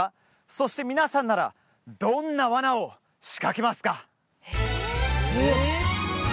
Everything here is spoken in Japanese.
そして皆さんならどんなワナを仕掛けますか？